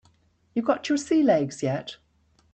You got your sea legs yet?